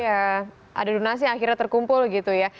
iya ada donasi akhirnya terkumpul gitu ya